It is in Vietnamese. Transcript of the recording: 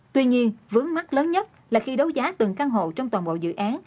tuy nhiên vướng mắt lớn nhất là khi đấu giá từng căn hộ trong toàn bộ dự án